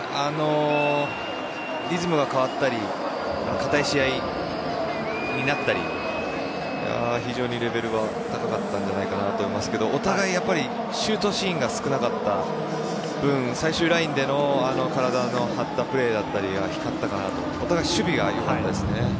リズムが変わったり堅い試合になったり非常にレベルが高かったんじゃないかなと思いますがお互いシュートシーンが少なかった分最終ラインでの体の張ったプレーだったりが光ったかなとお互い守備がよかったですね。